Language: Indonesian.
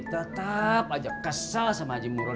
tetap aja kesal sama haji mural